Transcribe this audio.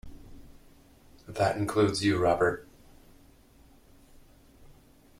That includes you, Robert.